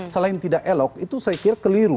selain tidak elok itu saya kira keliru